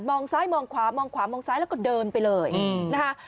องซ้ายมองขวามองขวามองซ้ายแล้วก็เดินไปเลยนะคะ